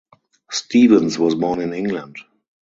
Stevens was born in England.